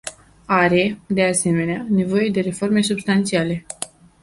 Are, de asemenea, nevoie de reforme substanțiale.